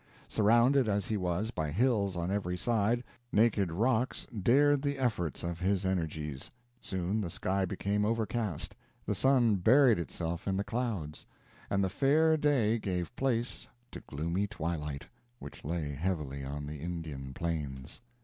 Surrounded as he was by hills on every side, naked rocks dared the efforts of his energies. Soon the sky became overcast, the sun buried itself in the clouds, and the fair day gave place to gloomy twilight, which lay heavily on the Indian Plains.